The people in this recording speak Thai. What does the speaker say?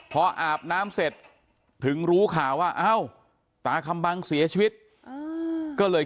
พออาบน้ำเสร็จถึงรู้ข่าวว่าเอ้าตาคำบังเสียชีวิตก็เลย